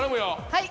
はい。